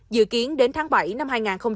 dự kiến đến tháng bảy năm hai nghìn hai mươi